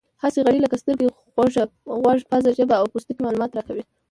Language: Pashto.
حسي غړي لکه سترګې، غوږ، پزه، ژبه او پوستکی معلومات راکوي.